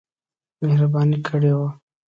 مهرباني کړې وه.